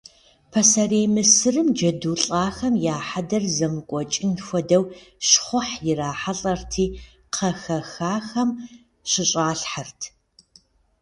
Пасэрей Мысырым джэду лӏахэм я хьэдэр зэмыкӏуэкӏын хуэдэу щхъухь ирахьэлӏэрти кхъэ хэхахэм щыщӏалъхэрт.